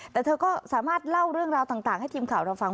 แต่เธอก็สามารถเล่าเรื่องราวต่างให้ทีมข่าวเราฟัง